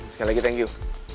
sekali lagi thank you